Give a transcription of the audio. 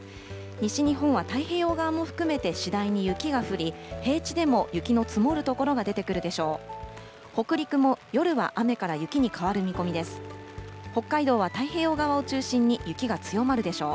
西日本は太平洋側も含めて次第に雪が降り、平地でも雪の積もる所が出てくるでしょう。